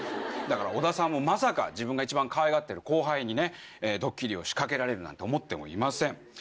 だから織田さんもまさか自分が一番かわいがってる後輩にどっきりを仕掛けられるなんて思ってもいません。